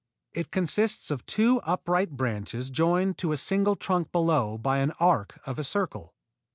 It consists of two upright branches joined to a single trunk below by an arc of a circle.